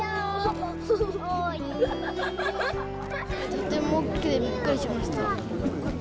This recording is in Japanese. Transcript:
とても大きくて、びっくりしました。